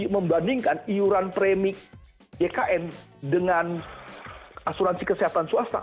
membandingkan iuran premik jkn dengan asuransi kesehatan swasta